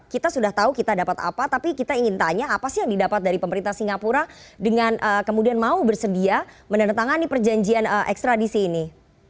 kita sudah tahu kita dapat apa tapi kita ingin tanya apa sih yang didapat dari pemerintah singapura dengan kemudian mau bersedia menandatangani perjanjian ekstradisi ini